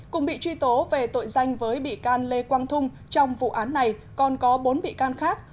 cùng bị truy tố về tội danh với bị can lê quang thung trong vụ án này còn có bốn bị can khác